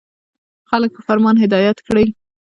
• خلک په فرمان هدایت کړئ.